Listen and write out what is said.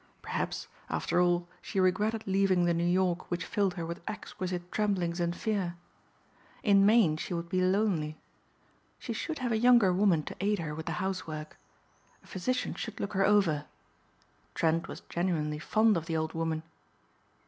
Perhaps, after all she regretted leaving the New York which filled her with exquisite tremblings and fear. In Maine she would be lonely. She should have a younger woman to aid her with the house work. A physician should look her over. Trent was genuinely fond of the old woman.